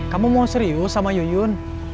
kamu mau serius sama yuyun